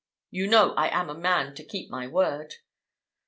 You know I am a man to keep my word."